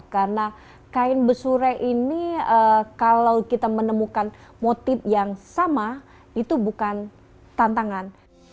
karena kain bisurek ini kalau kita menemukan motif yang sama itu bukan tantangan